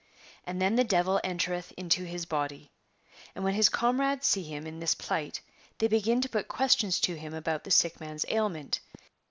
And then the devil entereth into his body. And when his comrades see him in this plight they begin to put questions to him about the sick man's ailment.